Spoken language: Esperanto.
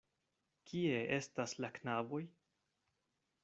Kie estas la knaboj?